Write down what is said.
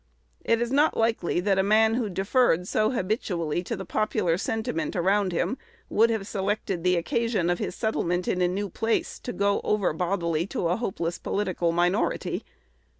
It is not likely that a man who deferred so habitually to the popular sentiment around him would have selected the occasion of his settlement in a new place to go over bodily to a hopeless political minority.